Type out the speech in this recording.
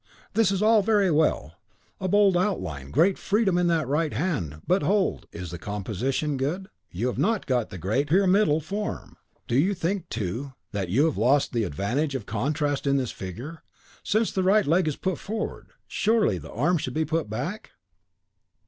This is well, very well! A bold outline, great freedom in that right hand. But, hold! is the composition good? You have not got the great pyramidal form. Don't you think, too, that you have lost the advantage of contrast in this figure; since the right leg is put forward, surely the right arm should be put back?